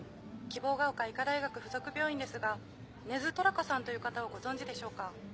希望ヶ丘医科大学附属病院ですが根津寅子さんという方をご存じでしょうか？